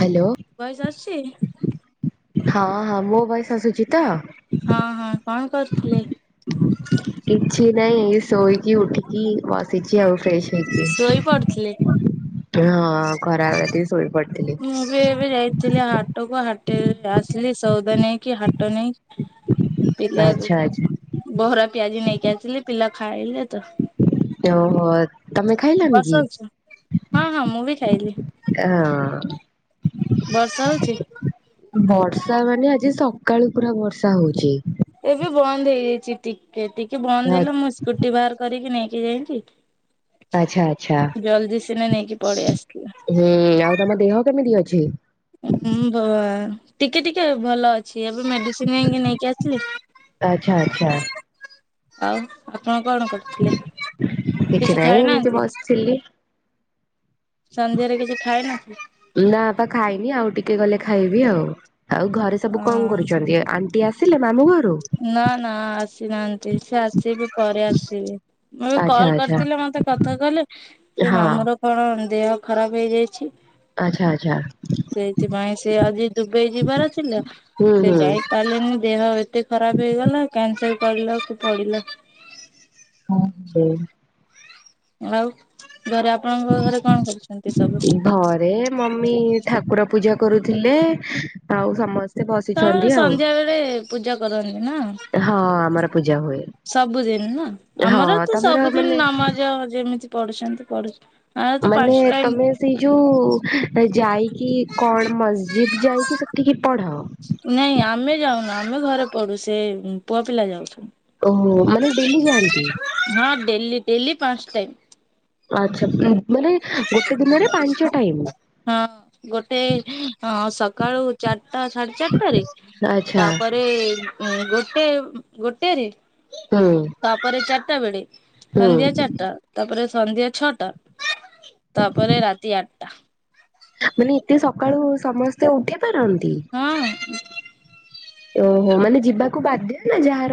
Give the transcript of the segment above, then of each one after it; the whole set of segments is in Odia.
ହ୍ୟାଲୋ ଭଏସ ଆସୁଛି। ହଁ ହଁ ମୋ ଭଏସ ଆସୁଛି ତ। ହଁ ହଁ କଣ କରୁଥିଲେ? କିଛି ନାଇଁ ଶୋଇକି ଉଠିକି ବସିଛି ଆଉ ଫ୍ରେଶ। ହେଇକି। ଶୋଇ ପଡଥିଲେ। ହଁ ଖରାବେଳେ ଟି ମୁଁ ବି ଏବେ ଯାଇଥିଲି ହାଟକୁ ହା ଟ ଆସିଲି ସଉଦା ନେଇକି ହାଟ ନେଇ। ପିଲା ଆଚ୍ଛା ଆଚ୍ଛା ବହରା ପିଆଜି ନେଇକି ଆସିଲି ପିଲା ଖାଇଲେ ତ। ଓହୋ ତମେ ଖାଇଲାନି ବର୍ଷା କି। ହଉଛି? ହଁ ହଁ ମୁଁ ବି ଖାଇଲି ହଁ। ବର୍ଷା ହଉଛି? ବର୍ଷା ମାନେ ଆଜି ସ ସକାଳୁ ପୁରା ବର୍ଷା ହଉଚି। ଏବେ ବନ୍ଦ ହେଇଯାଇଛି ଟିକେ ଟିକେ ବନ୍ଦ ହେଲା ମୁଁ ସ୍କୁଟି ବାହାର କରିକି ନେଇ କି ଯାଇଁଚି। ଆଚ୍ଛା ଆଚ୍ଛା ନେଇକି ପଳେଇ ଆସିଥିଲା। ହୁଁ ଆଉ ତମ ଦେହ କେମିତି ଅ ବା ଟିକେ ଟିକେ। ଭଲ ଅଛି ଏବେ ମେଡିସିନ ଯାଇଁକି ନେଇକି ଆସିଲି। ଆଚ୍ଛା ଆଚ୍ଛା ଆଉ ଆପଣ କଣ କରୁଥିଲେ କିଛି ନାହିଁ ଖାଇ ଏମିତି ନାହାନ୍ତି। ବସିଥିଲି। ଖାଇନାହାନ୍ତି? ନା ପା ଖାଇନି ଆଉ ଟି କେ ଗଲେ ଖାଇବି ଆଉ ଆଉ ଘରେ ସବୁ କଣ ହଁ କରୁଛନ୍ତି ଆଣ୍ଟି ଆ ନା ନା ଆସିନାହାନ୍ତି ସେ ଆସିବେ ପରେ ଆସିବେ ମୁଁ ଏବେ ଆଚ୍ଛା କଲ ଆଚ୍ଛା କରିଥିଲ ମତେ କଥା କହିଁଲେ ସେ ହଁ ମାମୁଁ ର କଣ ଦେହ ଖରାପ ହେଇଯାଇଛି। ଆଛା ଆଚ୍ଛା ସେଇଥିପାଇଁ ସେ ଆଜି ଦୁବଇ ଯିବାର ଥିଲା ହୁଁ ସେ ହୁଁ। ଯାଇପାରିଲେନି ଦେହ ଏତେ ଖରାପ ହେଇଗଲା କ୍ୟାନସଲ୍ କରିବାକୁ ପଡିଲା। ହଁ ଆଉ ଘରେ ଆପଣଙ୍କ ଘରେ କଣ କରୁଛନ୍ତି ସବୁ? ଘରେ ମମି ଠାକୁର ପୂଜା କରୁଥିଲେ ଆଉ ସମସ୍ତ ସେ ତମେ ବସିଛନ୍ତି ଆଉ ସନ୍ଧ୍ୟା ବେଳେ ପୂଜା କରନ୍ତି ନା? ହଁ ଆମର ପୂଜା ହୁଏ। ସବୁଦିନ ନା ହଁ ଆମର ତ ତମର ସବୁଦିନ ମାନେ ନମାଜ ଯେମିତି ପଢୁଛନ୍ତି ପଢୁ। ଆଉ ତ ପାଞ୍ଚ ମାନେ ଟାଇମ୍ ତମେ ସେଇ ଯୋଉ ଯାଇକି କଣ ମସ୍ଜିଦ୍ ଯାଇକି ସେ ଟିକେ ପଢ। ନାଇଁ ଆମେ ଯାଉନୁ ଆମେ ଘରେ ପଡୁ ସେ ପୁଅ ପିଲା ଯାଉଛୁ। ଓହୋ ମାନେ ଡେଲି ଯାଆନ୍ତି। ହଁ ଡେଲି ଡେଲି ପାଞ୍ଚ ଟାଇମ୍। ଆଛା ମାନେ ଗୋଟେ ଦିନରେ ପାଞ୍ଚ ଟାଇମ୍। ହଁ ଗୋଟେ ସକାଳୁ ଚାରିଟା ସାଢେ ଚାରିଟାରେ ଆଚ୍ଛା ତାପରେ ଉଁ ଗୋଟେ ଗୋଟେରେ ହୁଁ ତାପରେ ଚାରିଟା ବେଳେ ହୁଁ ସନ୍ଧ୍ୟା ଚାରିଟା ତାପରେ ସନ୍ଧ୍ୟା ଛଅଟା ତାପରେ ରାତି ଆଠଟା। ମାନେ ଏତେ ସକାଳୁ ସମସ୍ତେ ଉଠି ପାରନ୍ତି? ହଁ। ଓହୋ ମାନେ ଯିବାକୁ ବାଧ୍ୟ ନା ଯାହା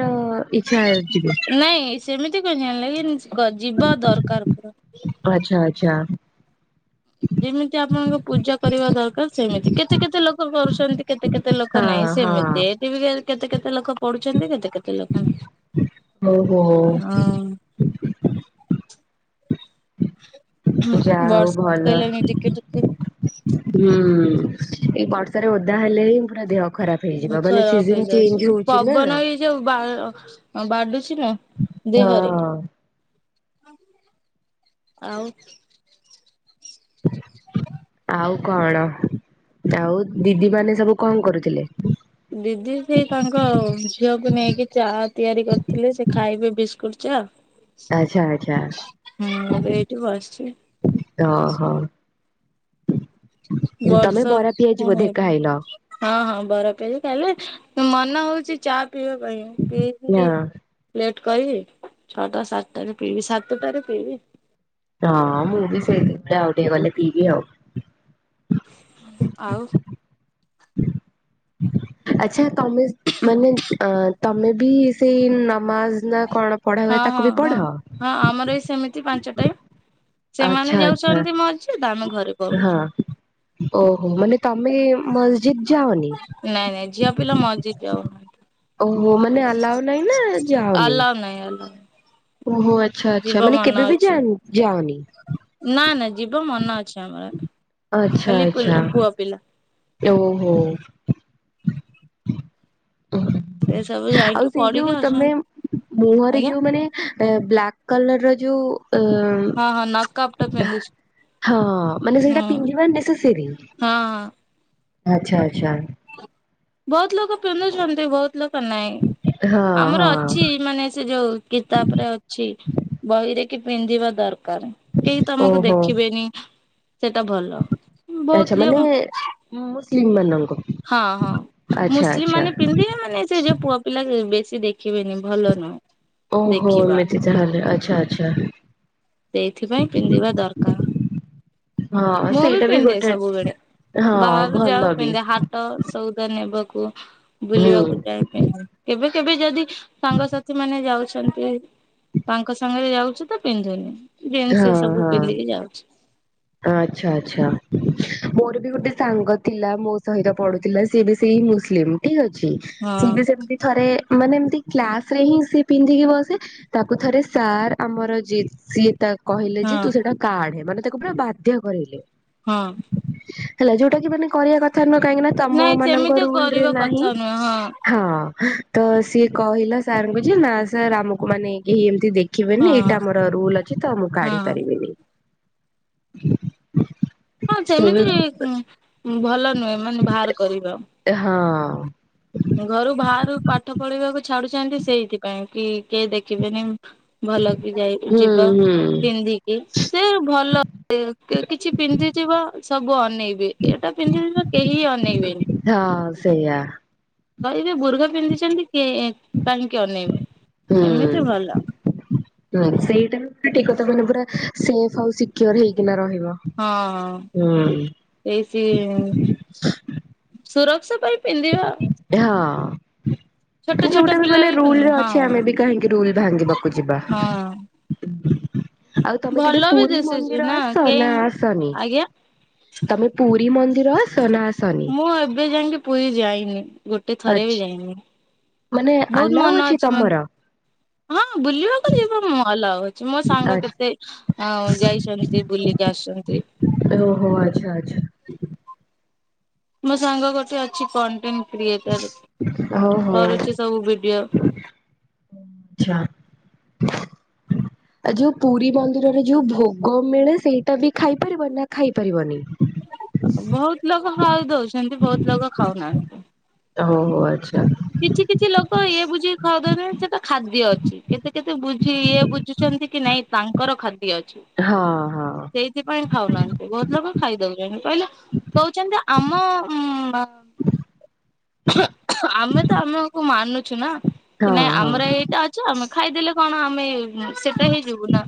ନାଇଁ ସେମିତି କଜାଣି ନାଇଚି କ ଯିବା ଦରକାର ପୁରା। ଆଚ୍ଛା ଆଚ୍ଛା। ଯେମିତି ଆପଣଙ୍କ ପୂଜା କରିବା ଦରକାର ସେମିତି କେତେ କେତେ ଲୋକ କରୁଛନ୍ତି। କେତେ କେତେ ଲୋକ ହଁ ନାହିଁ ସେମିତି ହଁ ଏଠି ବି କେତେ କେତେ ଲୋକ ପଢୁଛନ୍ତି କେତେ କେତେ ଲୋକ ନାହିଁ। ଓହୋ। ଯାହା ହଉ ବର୍ଷା ଭଲ କହିଲାଣି ଟିକେ ଟିକେ ହୁଁ। ଏଇ ବର୍ଷାରେ ଓଦା ହେଲେ ହିଁ ପୁରା ଦେହ ଖରାପ ହେଇଯିବ ମାନେ ଖରାପ ସିଜନ ଚେଞ୍ଜ ହେଇଯାଉଛି ହଉଛି ନା। ପବନ ବି ଯୋଉ ବା ବାଡୁଛି ନା ଦେହରେ ହଁ। ଆଉ [inaudible] ଆଉ କଣ ଆଉ ଦିଦି ମାନେ ସବୁ କଣ କରୁଥିଲେ? ଦିଦି ସେଇ ତାଙ୍କ ଝିଅକୁ ନେଇକି ଚା ତିଆରି କରିଥିଲେ ସେ ଖାଇବେ ବିସ୍କୁଟ ଚା। ଆଚ୍ଛା ଆଚ୍ଛା। ହୁଁ ଏବେ ଏଇଠି ବସିଛି। ଓହଃ। ଇ ବର୍ଷ ପୁଣି ଖାଇଲ? ହଁ ହଁ। ବରା କରି ଖାଇଲେ ମନ ହଉଛି ଚା ପିଇବା ପାଇଁ ହଁ ପିଇଥିଲି ଲେ କହିବି ଛଅଟା ସାତଟାରେ ପିଇବି ସାତଟାରେ ପିଇବି। ହଁ ମୂଭି ସେଇ ଆଉ ଟିକେ ଗଲେ ପିଇବି ଆଉ। ଆଉ ଆଛା ତମେ ମାନେ ଅ ତମେ ବି ସେଇ ନମାଜ ନା କଣ ପଢା ହଁ ହୁଏ ହଁ ତାକୁ ବି ହଁ ପଢ। ହଁ ଆମର ବି ସେମିତି ପାଞ୍ଚ ଟାଇମ୍ ସେମାନେ ଆଛା ଆଛା ଯାଉଛନ୍ତି ମସଜିଦ୍ ଆମେ ଘରେ ପଢୁଛୁ। ହଁ ଓହୋ ମାନେ ତମେ ମଲସିଦ ଯାଅନିି। ନାଇଁ ନାଇଁ ଝିଅ ପିଲା ମସଜିଦ୍ ଯାଉନାହାନ୍ତି ଓହୋ ମାନେ ଆଲାଓ ନାହିଁ ନା ଯାଉନି? ଆଲାଉ ନାହିଁ ଆଲାଉ ଓହୋ ଆଛା ନାହିଁ ଯିବ ଆଛା ମାନେ ମନ କେବେ ବି ଅଛି ଯାଆନି ଯାଅନି। ନା ନା ଯିବ ମନ ଅଛି ଆମର ଆଚ୍ଛା ଖାଲି ପୁ ଆଚ୍ଛା ପୁଅ ପିଲା। ଓହୋ। ସେ ସବୁ ଆଉ ଯାଇକି ସେଇ ପଢିକି ଯୋଉ ତମେ ଆସୁଛନ୍ତି ମୁହଁରେ ଆଜ୍ଞା ଯୋଉ ମାନେ ବ୍ଲାକ୍ ଏ କଲର ର ଯଉ ହଁ ହଁ ନକ ଅପ୍ଟ ଟେ ପିନ୍ଦୁଛି। ହଁ ମାନେ ସେଇଟା ପିନ୍ଧିବା ନେସେସରି। ହଁ ହଁ ଆଚ୍ଛା ଆଚ୍ଛା। ବହୁତ ଲୋକ ପିନ୍ଧୁଛନ୍ତି ବହୁତ ଲୋକ ନାଇ। ହଁ ଆମର ହଁ ଅଛି ମାନେ ସେ ଯୋଉ କିତାବରେ ଅଛି ବହିରେ କି ପିନ୍ଧିବା ଦରକାର କେହି ତମକୁ ଦେଖିବେନି। ସେଟା ଭଲ। ବହୁତ ଆଛା ଝିଅ ମାନେ ମୁସଲିମ ମାନଙ୍କୁ ହଁ ହଁ ଆଚ୍ଛା ମୁସଲିମ ଆଚ୍ଛା। ମାନେ ପିନ୍ଧିଲେ ମାନେ ସେ ଯୋଉ ପୁଅ ପିଲା ବେ ବେଶ କି ଦେଖିବେନି ଭଲ ନୁଁ। ଓହୋ ଏମିତି ତାହଲେ ଆଚ୍ଛା ଆଚ୍ଛା। ସେଇଥିପାଇଁ ପିନ୍ଧିବା ଦରକାର ହଁ ମୁଁ ବି ସେଇଟା ପିନ୍ଧେ ଗୋଟେ ସବୁବେଳେ। ହଁ ବାହାରୁ ଭଲ ଯାଉ ବି ପିନ୍ଧେ ହାଟ ସଉଦା ନେବା କୁ ହୁଁ ବୁଲିବାକୁ ଯାଏ ପିନ୍ଧେ କେବେ କେବେ ଯଦି ସାଙ୍ଗସାଥି ମାନେ ଯାଉଛନ୍ତି। ତାଙ୍କ ସାଙ୍ଗରେ ଯାଉଛୁ ତ ପିନ୍ଧୁନି ଜନ୍ସ ଏ ହଁ ସବୁ ହଁ। ପିନ୍ଧିକି ଯାଉଛି। ଆଚ୍ଛା ଆଚ୍ଛା ମୋର ବି ଗୋଟେ ସାଙ୍ଗ ଥିଲା ମୋ ସହିତ ପଢୁଥିଲା ସିଏ ବି ସେଇ ମୁସ ଠିକ୍ ଅଛି। ହଁ ସିଏ ବି ସେମିତି ଥରେ ମାନେ ଏମିତି କ୍ଲାସ୍ ରେ ହିଁ ସିଏ ପିନ୍ଧିକି ବସେ। ତାକୁ ଥରେ ସାର୍ ଆମର ଯିଏ ସିଏ ତା କହିଲେ ଯେ ହଁ ତୁ ସେଇଟା କାଢେ। ମାନେ ତାକୁ ପୁରା ବାଧ୍ୟ କରିଲେ। ହଁ। ହେଲା ଯୋଉ ମାନେ କରିବା କଥା ନୁହଁ। କାହିଁକି ନା ତମ ନାଇଁ ମାନଙ୍କ ସେମିତି ରୁଲରେ କରିବା ନାହିଁ କଥା ନୁହେଁ ହଁ। ତ ସିଏ କହିଲା ସାର୍ ଙ୍କୁ ଯେ ନା ସାର୍ ଆମକୁ ମାନେ କେହି ଦେଖିବେନି ହଁ ଏଇଟା ମୋର ରୁଲ ଅଛି। ତ ମୁଁ କାଢି ହଁ ପାରିବିନି। [inaudible] ହଁ ସେ ବି ସେମିତି ଭଲ ନୁହେଁ। ମାନେ ବାହାର କରିବା। ହଁ ଛନ୍ତି ସେଇଥିପାଇଁ କି କେହି ଦେଖିବେନି ଭଲ କି ଯାଇ ହୁଁ ଯିବ। ହୁଁ ପିନ୍ଧିକି ସେ ଭଲ କିଛି ପିନ୍ଧିଥିବ। ସବୁ ଅନେଇବେ ଏଇଟା ପିନ୍ଧି କେହି ଅନେଇବେନି। ହଁ ସେଇଆ କହିବେ ବୁର୍ଗା ପିନ୍ଧିଛନ୍ତି କି କାହିଁକି ଅନେଇବେ ଏମିତି ଭଲ। ହଁ ସେଇଟା ବି ପୁରା ଠିକ କଥା ମାନେ ପୁରା ସେଫ୍ ଆଉ ସିକିୱର ହେଇକିନା ରହିବେ। ହଁ ସେଇ ସି ହୁଁ। ସୁରକ୍ଷା ପାଇ ହଁ। ଛୋଟ ଛୋଟ ଯଉଟା ବି ପିଲା ମାନେ ରୁଲ୍ ପିନ୍ଧ ରେ ଅଛି। ହଁ ଆମେ ବି କାହିଁକି ରୁଲ୍ ଭାଙ୍ଗିବାକୁ ଯିବା। ହଁ ହୁଁ। ଭଲ ବି ଦିଶିଛି। ନା ଆସ କେହି ନା ଆସନି? ଆଜ୍ଞା। ତମେ ପୁରୀ ମନ୍ଦିର ଆସ ନା ଆସନି? ମୁଁ ଏବେ ଯାଇକି ପୁରୀ ଯାଇନି। ଗୋଟେ ଥରେ ଆଛା ବି ଯାଇନି। ମାନେ ବହୁତ ଆଲାଉ ମନ ଅଛି। ମ ତମର? ହଁ ବୁଲିବାକୁ ଯିବ ମଲ। ମୋ ଆ ସାଙ୍ଗ କେତେ ଯାଇଛନ୍ତି। ବୁଲିକି ଆସୁଛନ୍ତି। ଓ ହୋ ଆଚ୍ଛା ଆଚ୍ଛା। ମୋ ସାଙ୍ଗ ଗୋଟେ ଅଛି କଣ୍ଟିନ୍। କ୍ରିଏଟର୍ ହଉ ହଉ କରୁଛି ସବୁ ଭିଡିଓ। ଆଛା। ଆଉ ଯୋଉ ପୁରୀ ମନ୍ଦିରରେ ଯୋଉ ଭୋଗ ମିଳେ। ସେଇଟା ବି ଖାଇ ପାରିବ ନା ଖାଇ ପାରିବନି। ବହୁତ ଲୋକ ଖାଉ ଦଉଛନ୍ତି ବହୁତ ଲୋକ ଖାଉନାହାନ୍ତି। ହୋଉ ହୋଉ ଆଛ କିଛି କିଛି ଲୋକ ଇଏ ବୁଝିକ ଖ ସେଟା ଖାଦ୍ୟ ଅଛି। କେତେ କେତେ ବୁଝି ଇଏ ବୁଝୁଛନ୍ତି କି ନାଇଁ ତାଙ୍କର ଖାଦ୍ ଇଏ ଅଛି। ହଁ ହଁ। ସେଇଥିପାଇଁ ଖାଉନାହାନ୍ତି। ଘର ଲୋକ ଖାଇଦଉଛନ୍ତି। କହିଲେ କହୁଛନ୍ତି ଆମ ମା ଆମେ ତ ଆମକୁ ମାନୁଛୁ ନାଁ। ହଁ ନାଁ ହଁ ଆମର ଏଇଟା ଅଛି। ଆମେ ଖାଇଦେଲେ କଣ ଆମେ ସେଟା ହେଇଯିବୁ ନା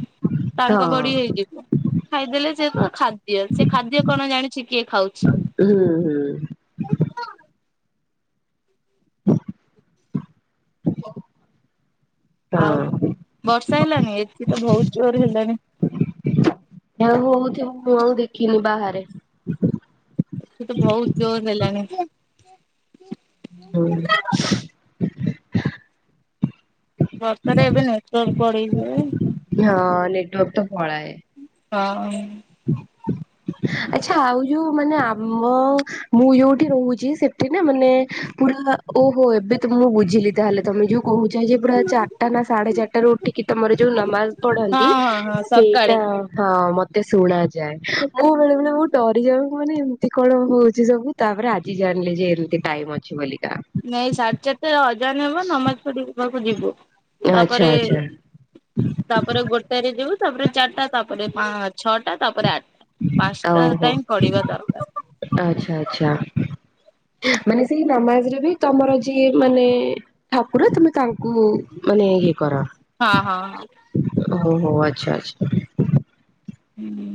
ତାଙ୍କ ହଁ ବଡି ହେଇଯିବୁ। ଖାଇଦେଲେ ଯେତ ଖାଦ୍ୟ ସେ ଖାଦ୍ୟ କଣ ଜାଣିଛି କିଏ ଖାଉଛି। [unintelligible] ହ। ଆଉ ବର୍ଷା ହେଲାନି। ଏଠି ତ ବହୁତ ଜୋରେ ହେଲାଣି। ଆ ହଉଥିବ ମୁଁ ଆଉ ଦେଖିନି ବାହାରେ। ଏଠି ତ ବହୁତ୍ ଜୋରେ ହେଲାଣି। ହୁଁ। ବର୍ଷାରେ ଏବେ ନେଟ୍ ୱର୍କ ପଡେଇବେ। ହଁ ନେଟ୍ ୱର୍କ ତ ପଳାଏ। ହଁ। [inaudible] ଆଛା ଆଉ ଯୋଉ ମାନେ ଆମ ମୁଁ ଯୋଉଠି ରୋହୁଛି। ସେଠି ନା ମାନେ ପୁରା ଓହୋ ଏବେ ତ ମୁଁ ବୁଝିଲି ତାହେଲେ ତମେ ଯୋଉ କହୁଛ ଯେ ପୁରା ଚାର୍ ଟା ନା ସାଢେ ଚାର୍ ଟା ରୁ ଉଠିକି ତମର ଯୋଉ ନମାଜ୍ ପଢ଼ନ୍ତି ହଁ ହଁ ହଁ ସକାଳେ ସେଇଟା ହ ହଁ ମତ ତେ ଶୁଣାଯାଏ ମୁଁ ବେଳେ ବେଳେ ବହୁତ୍ ଡରିଯାଏ। ମୁଁ କହିନି ଏମିତି କଣ ହୋଉଛି ସବୁ ତାପରେ ଆଜି ଜାଣି ଣିଲ ଯେ ଏମିତି ଟାଇମ ଅଛି ବୋଲି। ନାଇଁ ସାଢ଼େ ଚାରିଟା ଅଜା ନିବ ନମାଜ ପଢିବାକୁ ଯିବୁ। ଏ ଆଚ୍ଛା ତାପରେ ଆଚ୍ଛା। ତାପରେ ଗୋଟେ ରେ ଜିବୁ ତାପରେ ଚାରିଟା ତାପରେ ପା ତାପରେ ଛ ଓହୋ ପଢିବା ଦରକାର ଆଚ୍ଛା ଆଚ୍ଛା। ମାନେ ସେଇ ନମାଜ ରେ ବି ତମର ଯିଏ ମାନେ ଠାକୁର ତମେ ତାଙ୍କୁ ମାନେ ଇଏ କର ହଁ ହଁ ଓ ହୋ ଆଚ୍ଛା ଆଚ୍ଛା। ହୁଁ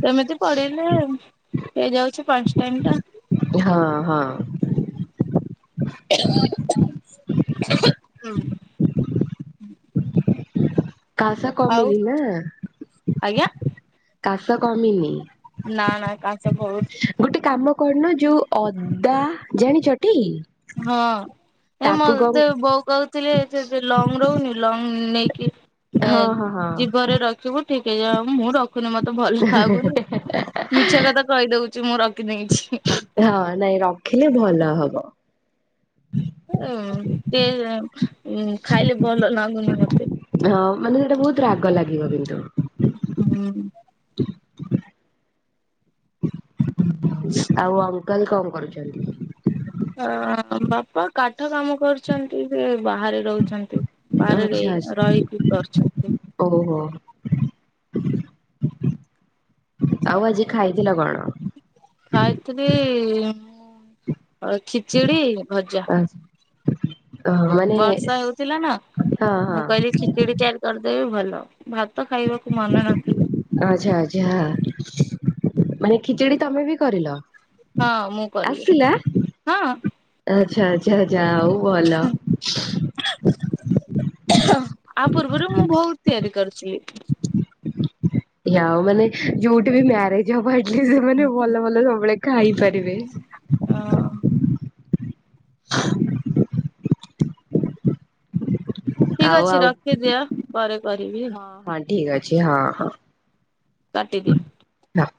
ସେମିତି ପଢିଲେ ହେଇଯାଉଛି ପାଞ୍ଚ ଟାଇମ୍ ଟା ହଁ ହଁ। ହୁଁ। କାସା କମିନି ନା ଆଜ୍ଞା କାସ କମିନି ନା ନା କା ଗୋଟେ କାମ କରୁନ ଯୋଉ ଅଦା ଜାଣିଛ ଟି ହଁ ଏ ମୋତେ ବୋଉ କହୁଥିଲେ ସେବେ ଲଂଘ୍ ରୋହୁନୀ ଲଙ୍ଘ୍ ଏ ହଁ ହଁ ହଁ ଜିବରେ ରଖିବୁ ଠିକେ ଯାଉନି ମୁଁ ରଖ୍ କଖୁନି ମତେ ଭଲ ଲାଗୁନି ମିଛ କଥା କହିଦଉ ହଁ ନାଇଁ ରଖିଲେ ଭଲ ହବ। ଉ ଟେ ଖାଇଲେ ଭଲ ଲାଗୁନି ମତେ ହଁ ମାନେ ଏଇଟା ବହୁତ୍ ରାଗ ଲାଗିବ କିନ୍ତୁ ହୁଁ। [inaudible] ଆଉ ଅଙ୍କଲ୍ କଣ କରୁଛନ୍ତି? [unintelligible] କଣ କାଠ କାମ କରୁଛନ୍ତି ସେ ବାହାରେ ରହୁଛନ୍ତି। ବାହାରେ ଆଚ୍ଛା ରେହି ଆଚ୍ଛା ରହିକି କରୁଛନ୍ତ। ଓହୋ ହୋ। ଆଉ ଆଜି ଖାଇଥିଲ କଣ? ଖାଇଥିଲି। ଆଉ ଖିଚୁଡି ଭଜା [inaudible] ମାନେ ବର୍ଷା ହଉଥିଲା ନା ହଁ ହଁ ମୁଁ କହିଲି ଖିଚିଡି ତିଆରି କରିଦେବି ଭଲ। ଭାତ ଖାଇବାକୁ ମନେ ନଥିଲା ଆଛା ଆଛା ମନେ ଖିଚିଡି ତମେ ବି କରିଲ? ହଁ ମୁଁ କଲି। ଆସିଲା ଆଚ୍ଛା ଆଚ୍ଛା ଆଛା ଆଉ ଭଲ। ଆ ପୂର୍ବରୁ ମୁଁ ବହୁତ ତିଆରି କରଛି ଉ ମାନେ ଯୋଉଠି ବି ମ୍ୟାରେଜ ହବ ଏଇ ସେମାନେ ଭଲ ଭଲ ସବୁବେଳେ ଖାଇ ପାରିବେ। ହଁ। [inaudible] ଠିକ ଆଉ ଅଛି ଆଉ ରଖିଦି ପରେ କରିବି। ହଁ ଠିକ ଅଛି ହଁ ହଁ। କାଟି ଦିଅ ହଁ।